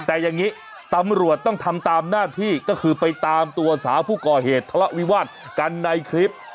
แต่อย่างนี้ตำรวจต้องทำตามหน้าที่ก็คือไปตามตัวสาวผู้ก่อเหตุทะเลาะวิวาสกันในคลิป